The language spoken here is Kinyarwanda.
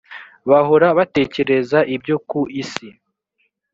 bahora batekereza ibyo ku isi